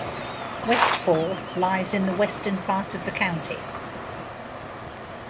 Westfall lies in the Western part of the county.